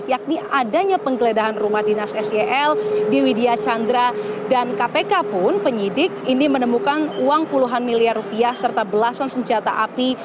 yakni adanya penggeledahan rumah dinas sel di widya chandra dan kpk pun penyidik ini menemukan uang puluhan miliar rupiah serta belasan senjata api